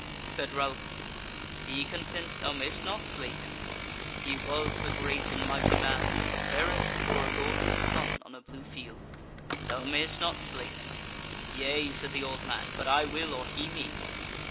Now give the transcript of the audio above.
Said Ralph: "Be content, thou mayst not slay him; he was a great and mighty man, a baron who bore a golden sun on a blue field. Thou mayst not slay him." "Yea," said the old man, "but I will, or he me."